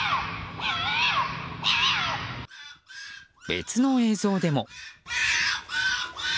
別の映像でも。